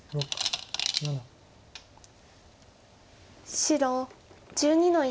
白１２の一。